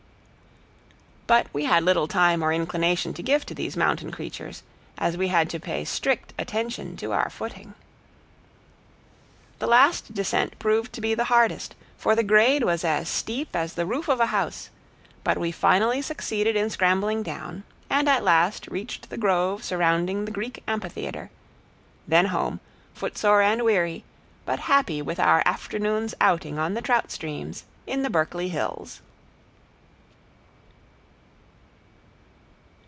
But we had little time or inclination to give to these mountain creatures, as we had to pay strict attention to our footing. The last descent proved to be the hardest, for the grade was as steep as the roof of a house, but we finally succeeded in scrambling down, and at last reached the grove surrounding the Greek Amphitheater; then home, footsore and weary, but happy with our afternoon's outing on the trout streams in the Berkeley Hills.